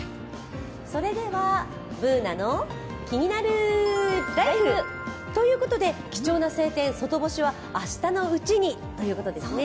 それでは「ＢｏｏｎａのキニナルＬＩＦＥ」貴重な晴天、外干しは明日のうちにということですね。